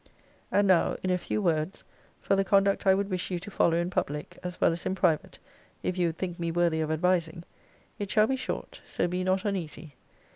And now, in a few words, for the conduct I would wish you to follow in public, as well as in private, if you would think me worthy of advising. It shall be short; so be not uneasy.